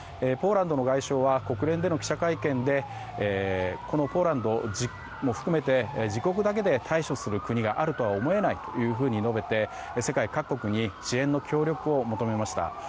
ポーランドの外相は国連での記者会見でこのポーランドを含めて自国だけで対処する国があるとは思えないと述べて世界各国に支援の協力を求めました。